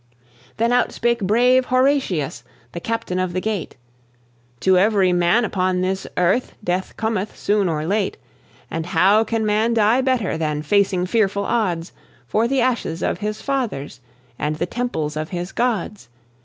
Then out spake brave Horatius, The Captain of the Gate: "To every man upon this earth Death cometh soon or late; And how can man die better Than facing fearful odds, For the ashes of his fathers, And the temples of his gods.